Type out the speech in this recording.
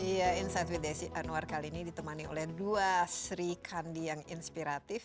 iya insight with desi anwar kali ini ditemani oleh dua sri kandi yang inspiratif